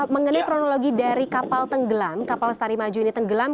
mengenai kronologi dari kapal tenggelam kapal lestari maju ini tenggelam